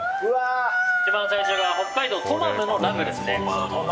一番最初が北海道トマムのラムです。